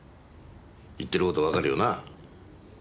言ってる事わかるよなあ？